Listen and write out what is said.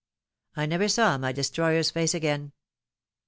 I never saw my destroyer's face again.